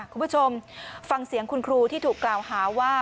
คุณผู้ชมฟังเสียงคุณครูที่ถูกกล่าวหาว่า